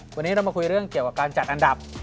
วันนี้เรามาคุยเรื่องเกี่ยวกับการจัดอันดับ